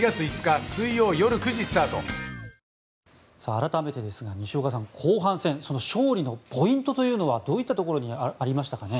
改めてですが西岡さん、後半戦その勝利のポイントというのはどういったところにありましたかね？